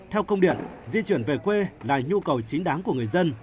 theo công điện di chuyển về quê là nhu cầu chính đáng của người dân